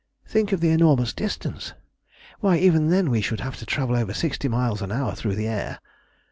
Think of the enormous distance. Why, even then we should have to travel over sixty miles an hour through the air."